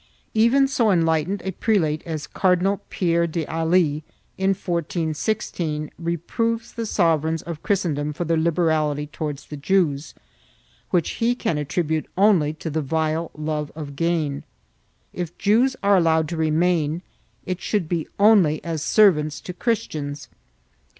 2 Even so enlightened a prelate as Cardinal Pierre d'Ailly, in 1416, reproves the sovereigns of Christendom for their liberality towards the Jews, which he can attribute only to the vile love of gain; if Jews are allowed to remain, it should be only as servants to Christians.